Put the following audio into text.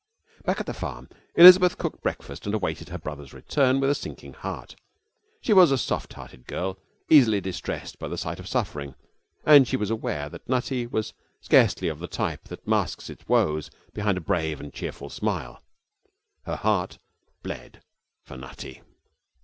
Back at the farm Elizabeth cooked breakfast and awaited her brother's return with a sinking heart. She was a soft hearted girl, easily distressed by the sight of suffering; and she was aware that Nutty was scarcely of the type that masks its woes behind a brave and cheerful smile. Her heart bled for Nutty.